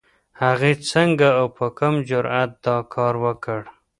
هغې څنګه او په کوم جرئت دا کار وکړ؟